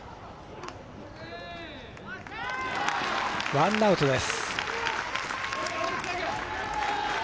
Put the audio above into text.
ワンアウトです。